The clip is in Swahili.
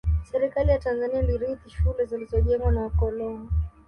Serikali ya Tanzania ilirithi shule zilizojengwa na wakoloni